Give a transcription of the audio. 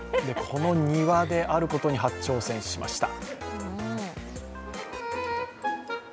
この庭であることに初挑戦しました。